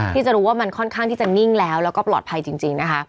ที่จะรู้ว่ามันค่อนข้างที่จะนิ่งแล้วแล้วก็ปลอดภัยจริงนะคะ